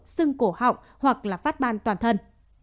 sưng cổ họng hoặc là phát ban toàn thân